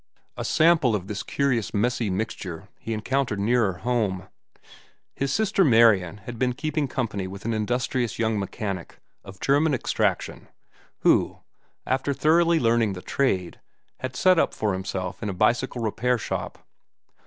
A sample of this curious messy mixture he encountered nearer home. His sister Marian had been keeping company with an industrious young mechanic, of German extraction, who, after thoroughly learning the trade, had set up for himself in a bicycle repair shop.